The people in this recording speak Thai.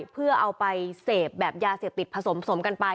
เพื่อเอาไปเสพแบบยาเสพติดผสมกันไป